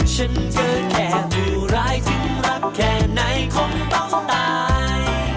ฉันเจอแค่อยู่ร้ายถึงรักแค่ไหนคงต้องตาย